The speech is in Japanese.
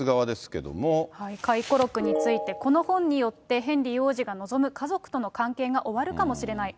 回顧録について、この本によってヘンリー王子が望む家族との関係が終わるかもしれない。